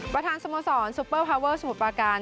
ประธานสโมสรซูเปอร์พาเวอร์สมุทรปราการ